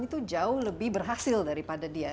itu jauh lebih berhasil daripada dia